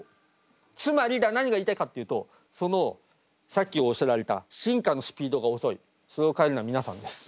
つまりだ何が言いたいかっていうとそのさっきおっしゃられた進化のスピードが遅いそれを変えるのは皆さんです。